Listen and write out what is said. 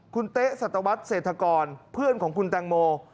คุณเต๊ะสัตวัสดิเศรษฐกรเพื่อนของคุณแตงโม